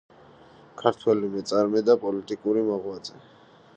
ქართველი მეწარმე და პოლიტიკური მოღვაწე.